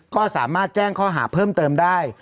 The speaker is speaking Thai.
ก็สามารถแจ้งข้อหาเพิ่มเติมได้